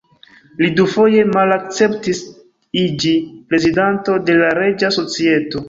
Li dufoje malakceptis iĝi Prezidanto de la Reĝa Societo.